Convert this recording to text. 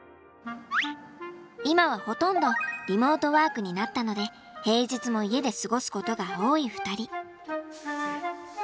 今はほとんどリモートワークになったので平日も家で過ごすことが多い２人。